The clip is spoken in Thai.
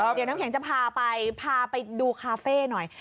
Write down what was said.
เดี๋ยวน้ำแข็งจะพาไปพาไปดูคาเฟ่หน่อย